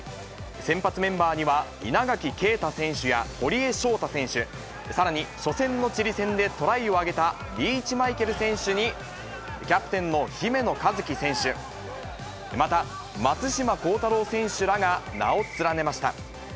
先発メンバーには、稲垣啓太選手や、堀江翔太選手、さらに初戦のチリ戦でトライを挙げた、リーチマイケル選手に、キャプテンの姫野和樹選手、また、松島幸太朗選手らが名を連ねました。